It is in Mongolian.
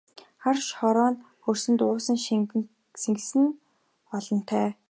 Хар шороон хөрсөнд уусан шингэсэн нь олонтой!